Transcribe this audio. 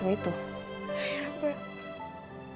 iya tapi itu adaty mbak